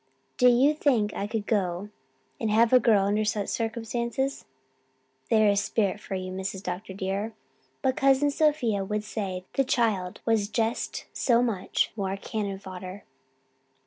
Do you think I could go and have a girl under such circumstances?' There is spirit for you, Mrs. Dr. dear. But Cousin Sophia would say the child was just so much more cannon fodder."